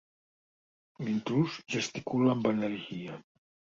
L'intrús gesticula amb energia.